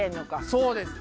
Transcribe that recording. そうです。